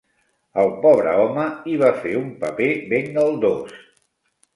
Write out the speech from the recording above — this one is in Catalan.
El pobre home hi va fer un paper ben galdós!